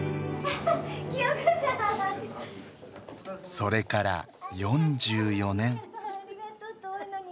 それから４４年。